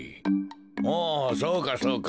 おそうかそうか。